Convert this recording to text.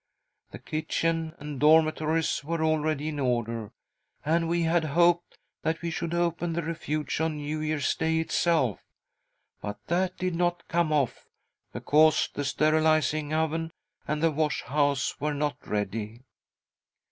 The kitchen and dormitories were already in order, and we had hoped that we should open the' Refuge on New Year's Day itself— but that diti not come off, because the sterilising oven and the wash house were not ready."